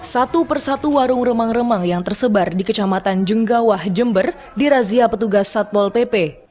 satu persatu warung remang remang yang tersebar di kecamatan jenggawah jember dirazia petugas satpol pp